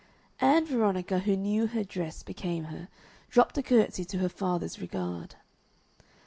Ann Veronica, who knew her dress became her, dropped a curtsy to her father's regard.